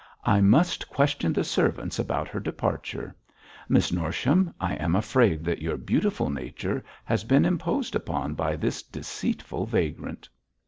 'I must question the servants about her departure. Miss Norsham, I am afraid that your beautiful nature has been imposed upon by this deceitful vagrant.'